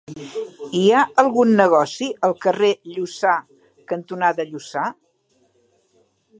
Hi ha algun negoci al carrer Lluçà cantonada Lluçà?